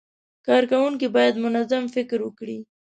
کارکوونکي باید منظم فکر وکړي.